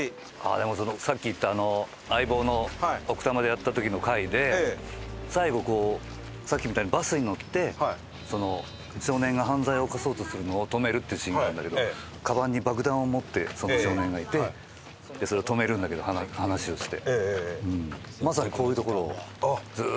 でもさっき言った『相棒』の奥多摩でやった時の回で最後さっきみたいにバスに乗って少年が犯罪を犯そうとするのを止めるっていうシーンがあるんだけどかばんに爆弾を持ってその少年がいてそれを止めるんだけど話をして。